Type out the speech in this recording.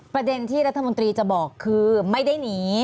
ประเด็นที่รัฐมนตรีจะบอกคือไม่ได้หนี